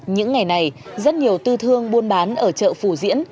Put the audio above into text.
những ngày này rất nhiều tư thương buôn bán ở chợ phù diễn